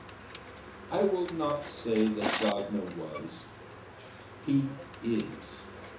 I will not say that Wagner was he is.